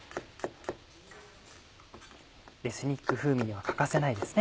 エスニック風味には欠かせないですね。